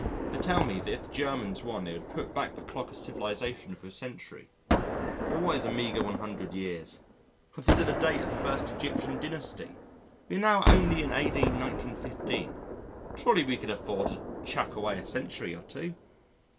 They tell me that if the Germans won it would put back the clock of civilisation for a century. But what is a meagre 100 years? Consider the date of the first Egyptian dynasty! We are now only in A.D. 1915 surely we could afford to chuck away a century or two?